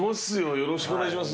よろしくお願いします。